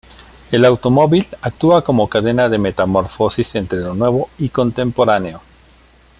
El automóvil actúa como cadena de metamorfosis entre lo nuevo y contemporáneo.